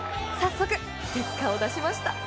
早速、結果を出しました。